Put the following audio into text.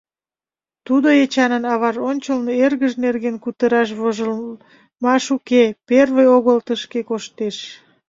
Тудо Эчанын аваж ончылно эргыж нерген кутыраш вожылмаш уке; первый огыл тышке коштеш.